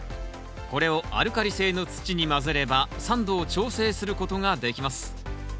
これをアルカリ性の土に混ぜれば酸度を調整することができます。